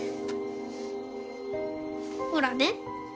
ほらね。